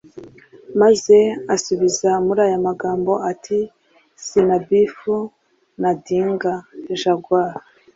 maze asubiza muri aya magambo ati “Sina beef na dinga (Jaguar)